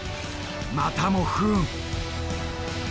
またも不運！